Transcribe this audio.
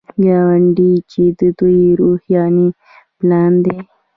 ګاندي جی د دوی روحاني پلار دی.